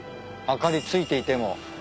明かりついていても。